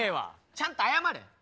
ちゃんと謝れ。